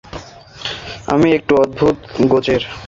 তুমি একটু অদ্ভুত গোছের।